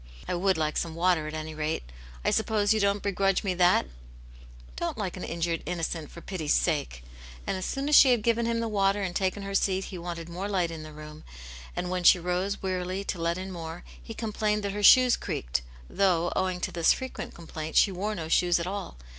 " I would like some water, at any rate. I suppose you don't begrudge me that Don't look like an in jured innocent, for pity's sake." And as soon as she had given him the water and taken her seat, he wanted more light in the room, and when she rose, wearily, to let in more, he com pJained that her shoes creaked, tVvov\^\\, o^vtv^ to this Aunt yane*s Hero. 155 frequent complaint, she wore no shoes at all.